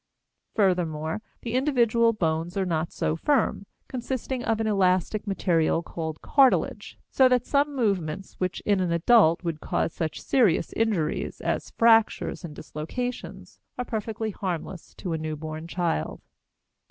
Furthermore, the individual bones are not so firm, consisting of an elastic material called cartilage, so that some movements which in an adult would cause such serious injuries as fractures and dislocations are perfectly harmless to a newborn child.